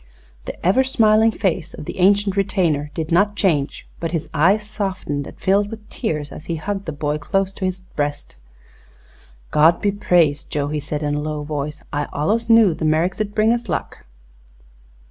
The ever smiling face of the ancient retainer did not change, but his eyes softened and filled with tears as he hugged the boy close to his breast. "God be praised. Joe!" he said in a low voice. "I allus knew the Merricks 'd bring us luck."